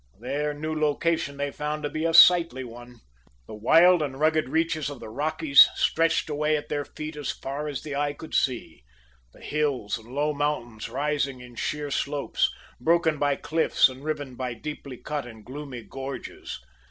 Their new location they found to be a sightly one. The wild and rugged reaches of the Rockies stretched away at their feet as far as the eye could see, the hills and low mountains rising in sheer slopes, broken by cliffs and riven by deeply cut and gloomy gorges.